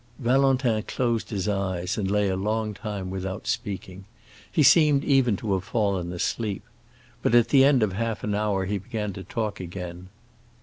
Valentin closed his eyes and lay a long time without speaking. He seemed even to have fallen asleep. But at the end of half an hour he began to talk again.